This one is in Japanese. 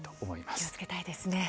気をつけたいですね。